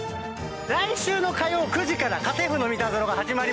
来週の火曜９時から『家政夫のミタゾノ』が始まります。